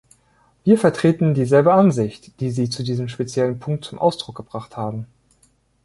Wir vertreten dieselbe Ansicht, die sie zu diesem speziellen Punkt zum Ausdruck gebracht haben.